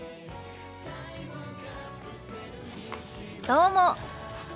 どうも。